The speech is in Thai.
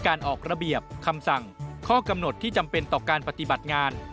ออกระเบียบคำสั่งข้อกำหนดที่จำเป็นต่อการปฏิบัติงาน